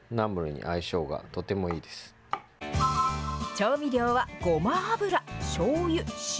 調味料はごま油、しょうゆ、塩。